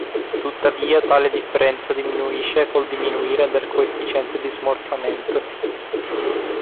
Tuttavia tale differenza diminuisce col diminuire del coefficiente di smorzamento.